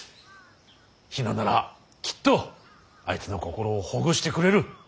比奈ならきっとあいつの心をほぐしてくれる。